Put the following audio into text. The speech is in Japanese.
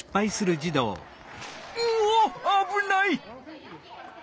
うわっあぶない！